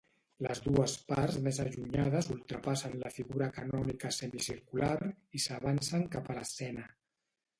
Les dues parts més allunyades ultrapassen la figura canònica semicircular, i s'avancen cap a l'escena.